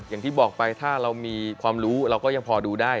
อย่างที่บอกไปถ้าเรามีความรู้เราก็ยังพอดูได้